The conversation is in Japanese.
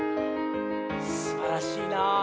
すばらしいなあ。